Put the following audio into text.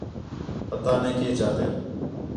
پتا نے کَئے چاتِن